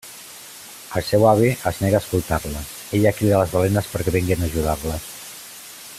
El seu avi es nega a escoltar-la, ella crida les balenes perquè vinguin a ajudar-la.